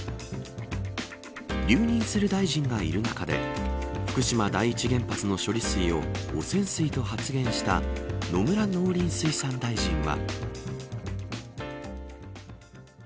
留任する大臣がいる中で福島第一原発の処理水を汚染水と発言した野村農林水産大臣は。